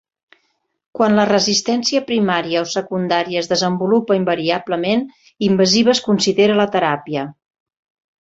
Quan la resistència primària o secundària es desenvolupa invariablement, invasiva es considera la teràpia.